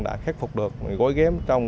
đã khép phục được gối ghém trong